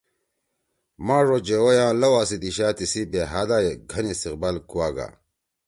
ماݜ او جوَئی آں لؤا سی دیِشا تیِسی بےحدا گھن استقبال کُوا گا